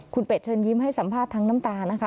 คุณเป็ดเชิญยิ้มให้สัมภาษณ์ทั้งน้ำตานะคะ